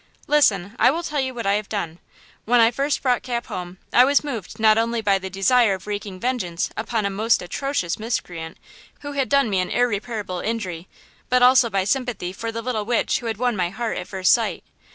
"Listen; I will tell you what I have done. When I first brought Cap home I was moved not only by the desire of wreaking vengeance upon a most atrocious miscreant who had done me an irreparable injury, but also by sympathy for the little witch who had won my heart at first sight.